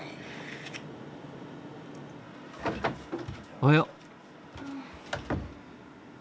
おはよう。